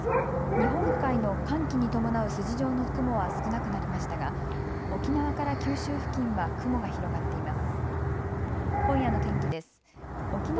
日本海の寒気に伴う筋状の雲は少なくなりましたが沖縄から九州付近は雲が広がっています。